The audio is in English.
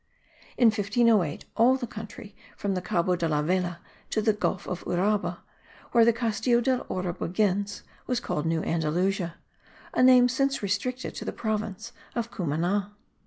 In 1508 all the country from the Cabo de la Vela to the Gulf of Uraba, where the Castillo del Oro begins, was called New Andalusia, a name since restricted to the province of Cumana.